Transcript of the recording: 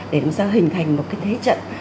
để làm sao hình thành một cái thế trận